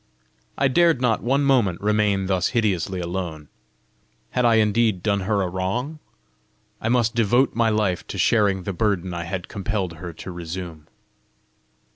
I dared not one moment remain thus hideously alone. Had I indeed done her a wrong? I must devote my life to sharing the burden I had compelled her to resume!